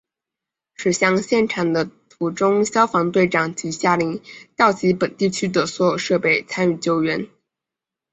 驶向现场的途中消防队长即下令调集本地区所有设备参与救援。